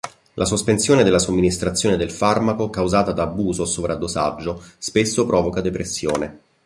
La sospensione della somministrazione del farmaco causata da abuso o sovradosaggio spesso provoca depressione.